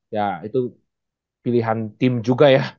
ya itu pilihan tim juga ya